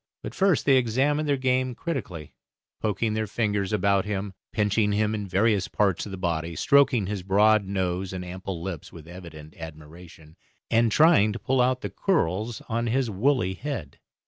But first they examined their game critically, poking their fingers about him, pinching him in various parts of the body, stroking his broad nose and ample lips with evident admiration, and trying to pull out the curls on his woolly head.